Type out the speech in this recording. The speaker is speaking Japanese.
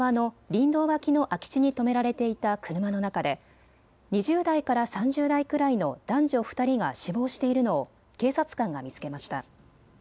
林道脇の空き地に止められていた車の中で２０代から３０代くらいの男女２人が死亡しているのを警察官が見つけました。